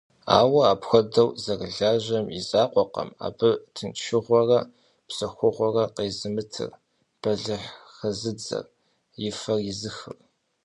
Ауэ апхуэдэу зэрылажьэм и закъуэкъым абы тыншыгъуэрэ псэхугъуэрэ къезымытыр, бэлыхь хэзыдзэр, и фэр изыхыр.